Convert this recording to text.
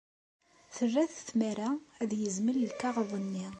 Terra-t tmara ad yezmel lkaɣeḍ-nni.